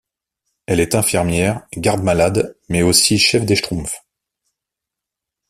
Elle est infirmière, garde-malade, mais aussi chef des Schtroumpfs.